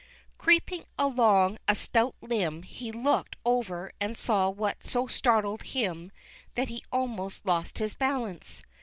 Creeping along a stout limb, he looked over and saw what so startled him that he almost lost his balance.